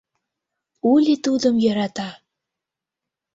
Ули тудым йӧрата.